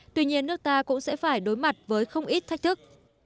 tuy nhiên nước ta cũng sẽ phải đối mặt với không ít thách thức